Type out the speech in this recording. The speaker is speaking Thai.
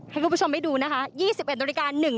ให้คุณผู้ชมไปดูนะคะ๒๑น๑น